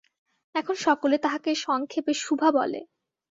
এখন সকলে তাহাকে সংক্ষেপে সুভা বলে।